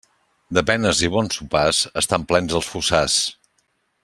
De penes i bons sopars estan plens els fossars.